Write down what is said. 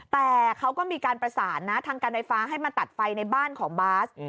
แต่เขาก็มีการประสานนะทางการไฟฟ้าให้มาตัดไฟในบ้านของบาส